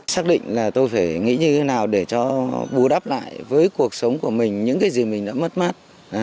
xác định là tôi phải nghĩ như thế nào để cho bù đắp lại với cuộc sống của mình những cái gì mình đã mất mát